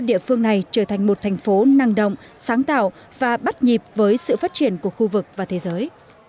địa phương này trở thành một thành phố năng động sáng tạo và bắt nhịp với sự phát triển của khu vực và thế giới